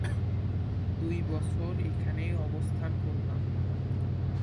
দুই বছর এখানেই অবস্থান করলাম।